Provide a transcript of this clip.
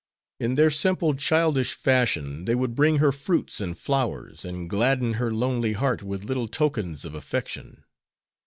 In their simple childish fashion they would bring her fruits and flowers, and gladden her lonely heart with little tokens of affection.